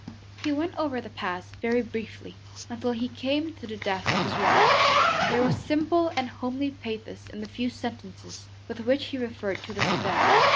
He went over the past very briefly until he came to the death of his wife. There was simple and homely pathos in the few sentences with which he referred to this event.